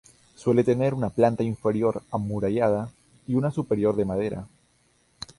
Suele tener una planta inferior amurallada y una superior de madera.